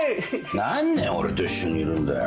何年俺と一緒にいるんだよ。